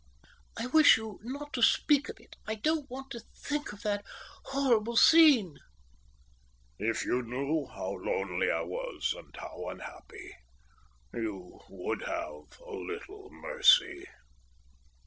"I wish you not to speak of it. I don't want to think of that horrible scene." "If you knew how lonely I was and how unhappy, you would have a little mercy."